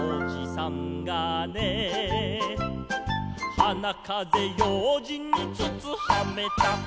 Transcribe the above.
「はなかぜようじんにつつはめた」